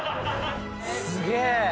すげえ！